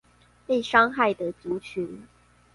被傷害的族群